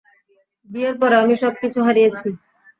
বিয়ের পরে আমি সব কিছু হারিয়েছি।